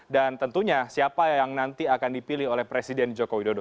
dan tentunya siapa yang nanti akan dipilih oleh presiden joko widodo